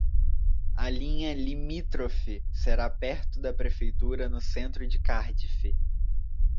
A linha limítrofe será perto da Prefeitura no centro de Cardiff.